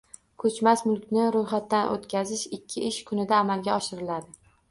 Ko‘smas mulkni ro‘yxatdan o‘tkazish ikki ish kunida amalga oshiriladi.